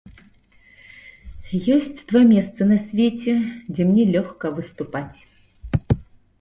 Ёсць два месцы на свеце, дзе мне лёгка выступаць.